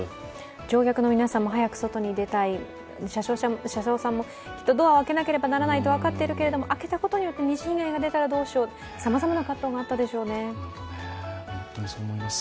乗客の皆さんも早く外に出たい、車掌さんもきっとドアを開けなければいけないと分かっているけれども、開けたことによって二次被害が出たらどうしよう、さまざまな葛藤があったでしょうね。